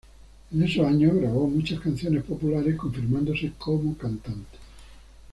En esos años grabó muchas canciones populares, confirmándose como cantante.